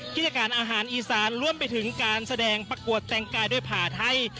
กิจการอาหารอีสานรวมไปถึงการแสดงประกวดแต่งกายด้วยผ่าไทย